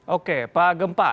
oke pak gempa